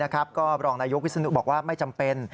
ก็รองนายกวิศนุบอกว่าไม่จำเป็น